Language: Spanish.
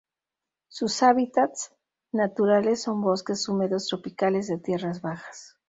Sus hábitats naturales son bosques húmedos tropicales de tierras bajas.